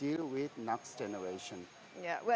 cara menghadapi generasi nuklir